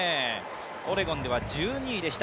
オレゴンでは１２位でした。